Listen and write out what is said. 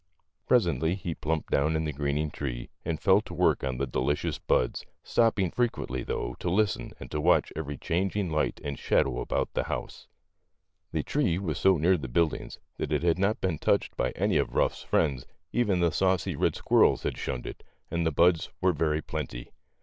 Presently he plumped down in the greening tree and fell to work on the delicious buds, stopping frequently, though, to listen and to watch every changing light and shadow about the house. The tree was so near the buildings 118 THE LITTLE FORESTERS. that it had not been touched by any of Ruff's friends, even the saucy red squirrel had shunned it, and the buds were very plenty.